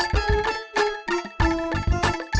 dua hari kemudian